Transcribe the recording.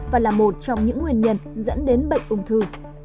và là một trong những nguyên nhân dẫn đến bệnh ung thư